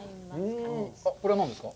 あっ、これは何ですか？